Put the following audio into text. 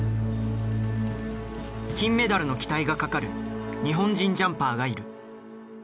金メダルの期待がかかる日本人ジャンパーがいる。